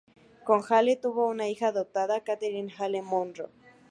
Con Hale tuvo una hija adoptada, Catherine Hale-Monro.